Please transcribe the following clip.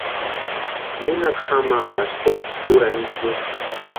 Nenaksï jamaa pari sési úrani itsï.